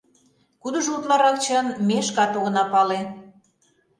Кудыжо утларак чын — ме шкат огына пале.